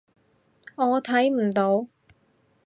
我睇唔到